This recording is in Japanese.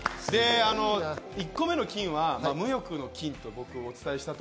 １個目の金は無欲の金と僕はお伝えしました。